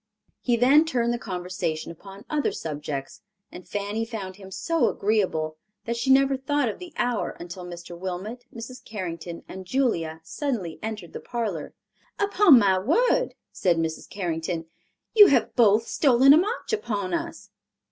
He then turned the conversation upon other subjects, and Fanny found him so agreeable that she never thought of the hour until Mr. Wilmot, Mrs. Carrington and Julia suddenly entered the parlor. "Upon my word," said Mrs. Carrington, "you have both stolen a march upon us."